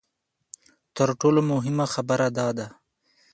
تر ټولو مهمه خبره دا ده.